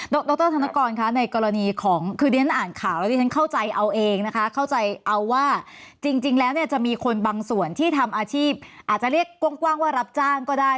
ดรธนกรคะในกรณีของคือดิฉันอ่านข่าวแล้วที่ฉันเข้าใจเอาเองนะคะเข้าใจเอาว่าจริงแล้วเนี่ยจะมีคนบางส่วนที่ทำอาชีพอาจจะเรียกกว้างว่ารับจ้างก็ได้